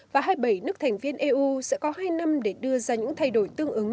và hai mươi bảy nước thành viên eu sẽ có hai năm để đưa ra những thay đổi tương ứng